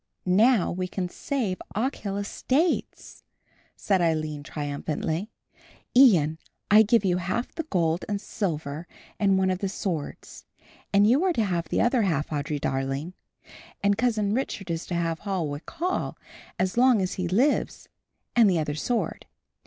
"Now we can save the Ochil estates," said Aline triumphantly. "Ian, I give you half the gold and silver and one of the swords, and you are to have the other half, Audry darling, and Cousin Richard is to have Holwick Hall as long as he lives and the other sword.